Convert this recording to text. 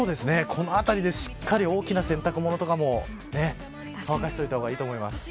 このあたりでしっかり大きな洗濯物とかも乾かしておいた方がいいと思います。